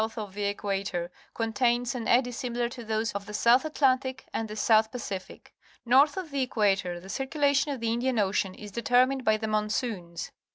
The part of the Indian Ocean Ij'ing south of the equator contains an eddy similar to those of the South Atlantic and the South j'acific. North of the equator the circu lation of thelndian Ocean is determined by the monsoons.